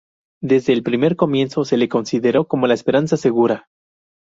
Desde el primer momento se le consideró como la esperanza segura.